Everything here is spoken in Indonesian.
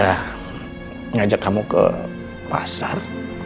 mengajak kamu ke pasar